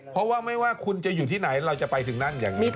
เพราะว่าไม่ว่าคุณจะอยู่ที่ไหนเราจะไปถึงนั่นอย่างนี้